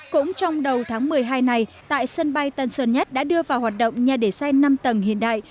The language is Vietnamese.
cũng trong đầu tháng một mươi hai này tại sân bay tân sơn nhất đã đưa vào hoạt động nhà để xe năm tầng hiện đại